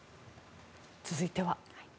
続いては。